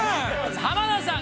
浜田さん